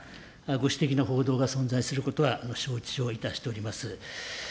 ご指摘の報道が存在することは承知をいたしております。